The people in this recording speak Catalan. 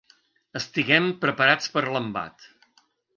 Estiguem preparats per a l’embat.